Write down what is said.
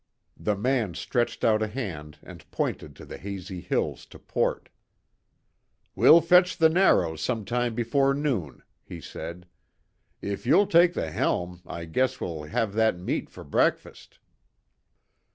The man stretched out a hand and pointed to the hazy hills to port. "We'll fetch the Narrows some time before noon," he said. "If you'll take the helm, I guess we'll halve that meat for breakfast."